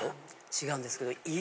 違うんですけど。